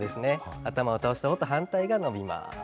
頭を倒した方と反対が伸びます。